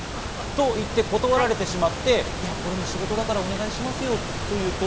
と言って断られてしまって、これも仕事だからお願いしますよというと。